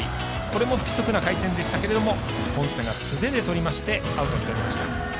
これも不規則な回転でしたがポンセが素手でとりましてアウトになりました。